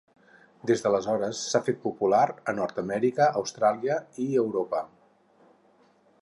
Des d'aleshores s'ha fet popular a Nord-amèrica, Austràlia i Europa.